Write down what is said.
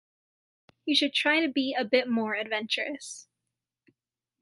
You should try to be a bit more adventurous.